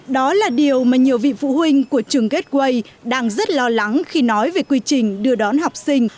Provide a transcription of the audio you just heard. đó là điều mà nhiều vị phụ huynh của trường gateway đang rất lo lắng khi nói về quy trình đưa đón học sinh